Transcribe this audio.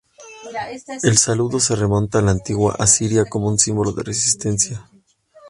El saludo se remonta a la antigua Asiria como un símbolo de resistencia.